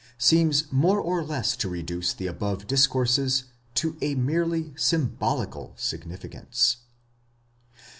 seems more or less to reduce the above discourses to a merely symbolical significance.